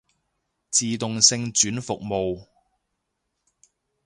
自動性轉服務